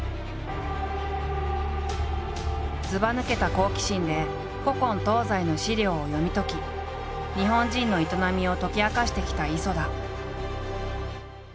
ずばぬけた好奇心で古今東西の史料を読み解き日本人の営みを解き明かしてきた磯田。